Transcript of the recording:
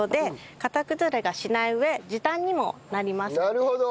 なるほど。